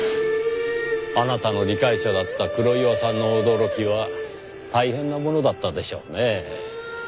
あなたの理解者だった黒岩さんの驚きは大変なものだったでしょうねぇ。